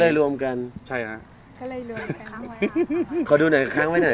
ก็เลยรวมกันใช่ฮะก็เลยรวมกันขอดูหน่อยข้างไว้หน่อย